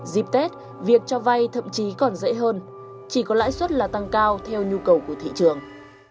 dịp tết việc cho vay thậm chí còn dễ hơn chỉ có lãi suất là tăng cao theo nhu cầu của thị trường